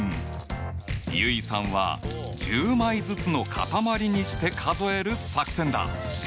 結衣さんは１０枚ずつの塊にして数える作戦だ！